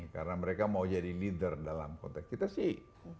karena mereka mau jadi leader dalam konteks kita sih